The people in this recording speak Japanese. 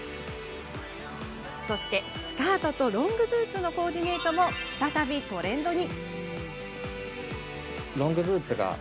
スカートとロングブーツのコーディネートも再びトレンドに。